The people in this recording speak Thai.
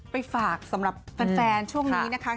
ไปฝากสำหรับแฟนช่วงนี้นะคะ